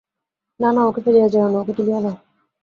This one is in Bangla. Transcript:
না না, ওকে ফেলিয়া যাইয়ো না–ওকে তুলিয়া লও।